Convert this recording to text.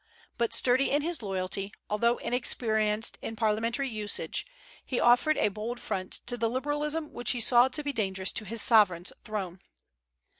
But sturdy in his loyalty, although inexperienced in parliamentary usage, he offered a bold front to the liberalism which he saw to be dangerous to his sovereign's throne.